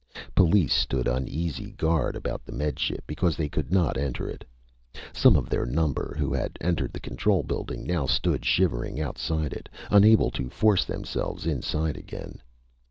Police stood uneasy guard about the Med Ship because they could not enter it. Some of their number who had entered the control building now stood shivering outside it, unable to force themselves inside again.